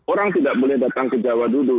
orang tidak boleh datang ke jawa dulu